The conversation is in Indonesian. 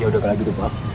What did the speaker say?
ya udah pak